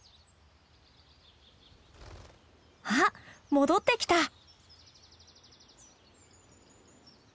あ戻ってきた！